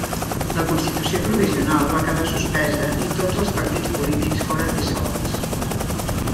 La constitució provisional va quedar suspesa i tots els partits polítics foren dissolts.